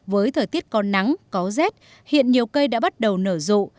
với thời tiết có nắng có rét hiện nhiều cây đã bắt đầu nở rộ